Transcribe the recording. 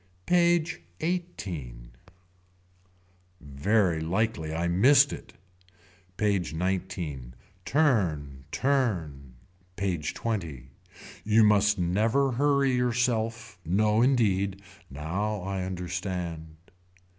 PAGE XVIII. Very likely I missed it. PAGE XIX. Turn turn. PAGE XX. You must never hurry yourself. No indeed. Now I understand.